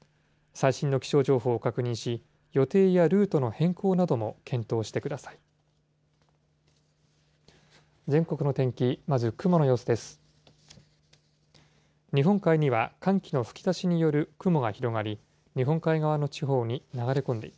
最新の気象情報を確認し、予定やルートの変更なども検討してください。